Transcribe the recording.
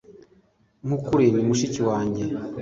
Nkukuri, ni mushiki wanjye.